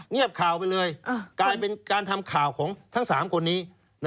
เงียบข่าวไปเลยกลายเป็นการทำข่าวของทั้ง๓คนนี้